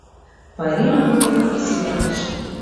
Пайрем годым изиланже